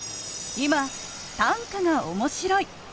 今短歌が面白い。